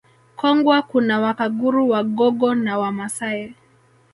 Kongwa kuna Wakaguru Wagogo na Wamasai